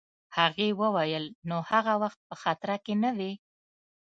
هغې وویل: نو هغه وخت په خطره کي نه وې؟